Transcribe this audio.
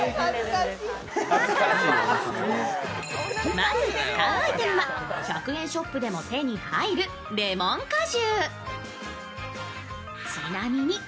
まず使うアイテムは１００円ショップでも手に入るレモン果汁。